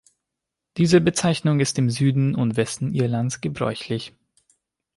Diese Bezeichnung ist im Süden und Westen Irlands gebräuchlich.